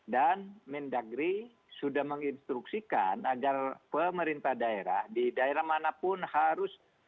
dan mendagri sudah menginstruksikan agar pemerintah daerah di daerah manapun harus